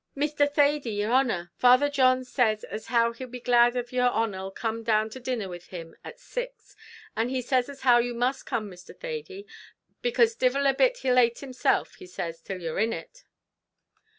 "Misther Thady, yer honer, Father John says as how he'll be glad av yer honer'll come down to dinner with him at six; and he says as how you must come, Mr. Thady, because divil a bit he'll ate himself, he says, till you're in it."